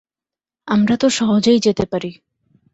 আমরা তো সহজেই যেতে পারি।